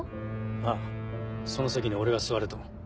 ああその席に俺が座れと。